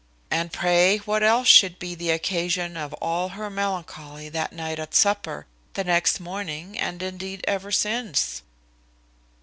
And pray what else should be the occasion of all her melancholy that night at supper, the next morning, and indeed ever since?"